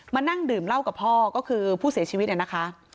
นั่งดื่มเหล้ากับพ่อก็คือผู้เสียชีวิตนะคะ